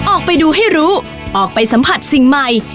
ออกไปดูให้รู้ออกไปสัมผัสสิ่งใหม่